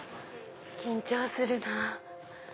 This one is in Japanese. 緊張するなぁ。